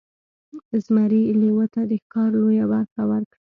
زمري لیوه ته د ښکار لویه برخه ورکړه.